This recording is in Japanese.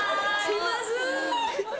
気まずっ！